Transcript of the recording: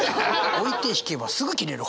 「置いて引けばすぐ切れる。